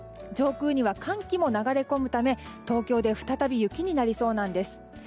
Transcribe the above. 上空には寒気も流れ込むため東京で再び雪になりそうなんです。